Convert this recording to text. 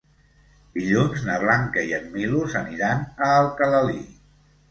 Dilluns na Blanca i en Milos aniran a Alcalalí.